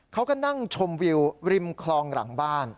เขาก็นั่งชมวิวริมคลองหลังบ้าน